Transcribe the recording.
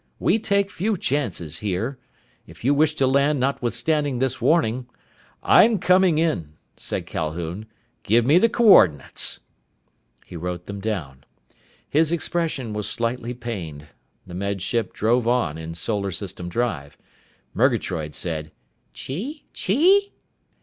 We take few chances, here! If you wish to land notwithstanding this warning " "I'm coming in," said Calhoun. "Give me the coordinates." He wrote them down. His expression was slightly pained. The Med Ship drove on, in solar system drive. Murgatroyd said, "_Chee chee?